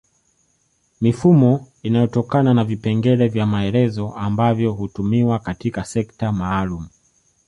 Mifumo inayotokana na vipengele vya maelezo ambavyo hutumiwa katika sekta maalum